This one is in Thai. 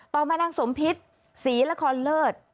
ต่อมานางสมพิษศรีละครเลิศ